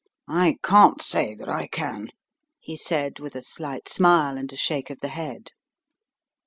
"I can't say that I can," he said with a slight smile and a shake of the head.